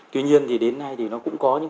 tuy nhiên đến nay cũng có những